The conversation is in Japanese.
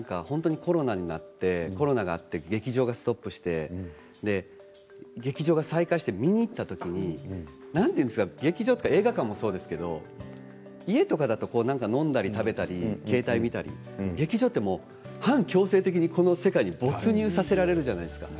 コロナがあって劇場がストップして劇場が再開して見に行った時に何て言うんですかね劇場とか映画館もそうですけど家とかだと飲んだり食べたり携帯を見たり劇場は半強制的に世界に没入させられるじゃないですか。